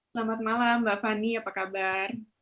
selamat malam mbak fani apa kabar